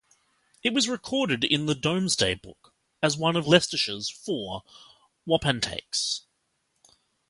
It was recorded in the "Domesday Book" as one of Leicestershire's four wapentakes.